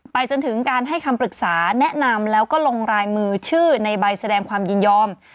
จนถึงการให้คำปรึกษาแนะนำแล้วก็ลงรายมือชื่อในใบแสดงความยินยอม